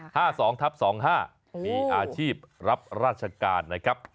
๕๒๒๕มีอาชีพรับราชการนะครับ